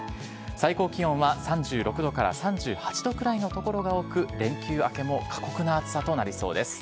最高気温は３６度から３８度くらいの所が多く、連休明けも過酷な暑さとなりそうです。